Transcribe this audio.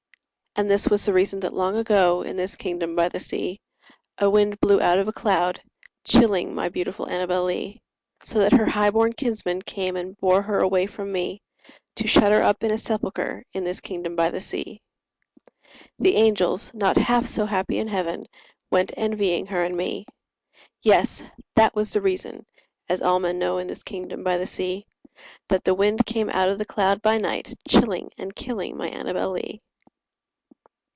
And this was the reason that, long ago, In this kingdom by the sea, A wind blew out of a cloud, chilling My beautiful Annabel Lee; So that her highborn kinsmen came And bore her away from me, To shut her up in a sepulchre In this kingdom by the sea. The angels, not half so happy in heaven, Went envying her and me— Yes!—that was the reason (as all men know, In this kingdom by the sea) That the wind came out of the cloud by night, Chilling and killing my Annabel Lee.